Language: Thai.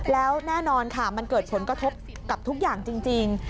แล้วแน่นอนค่ะมันเกิดผลกระทบกับทุกอย่างจริง